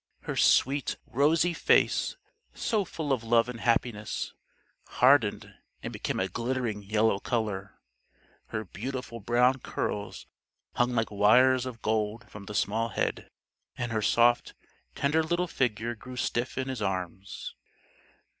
Her sweet, rosy face, so full of love and happiness, hardened and became a glittering yellow color; her beautiful brown curls hung like wires of gold from the small head, and her soft, tender little figure grew stiff in his arms.